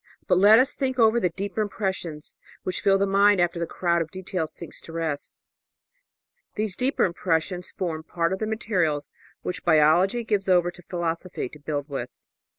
But let us think over the deeper impressions which fill the mind after the crowd of details sinks to rest. These deeper impressions form part of the materials which Biology gives over to Philosophy to build with.